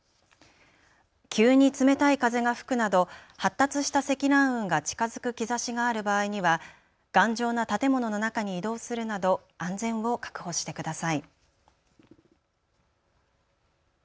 急に冷たい風が吹くなど発達した積乱雲が近づく兆しがある場合には頑丈な建物の中に移動するなど安全を確保してください。